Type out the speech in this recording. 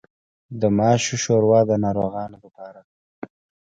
د ماشو شوروا د ناروغانو لپاره ده.